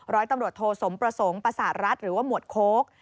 ร้อยตำรวจโทสมประสงค์ประสาทรัฐหรือว่าหมวดโค้ก